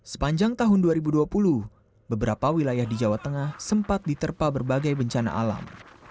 sepanjang tahun dua ribu dua puluh beberapa wilayah di jawa tengah sempat diterpa berbagai bencana alam